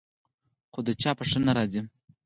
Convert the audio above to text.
خو د چا په ښه نه راځي.